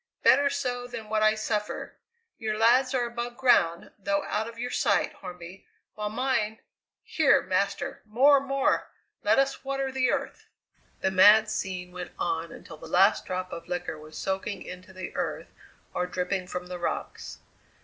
Better so than what I suffer. Your lads are above ground, though out of your sight, Hornby, while mine Here, Master, more! more! let us water the earth." The mad scene went on until the last drop of liquor was soaking into the earth or dripping from the rocks.